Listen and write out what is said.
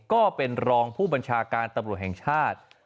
ก็เป็นรองผู้บัญชาการตำรวจแห่งชาติ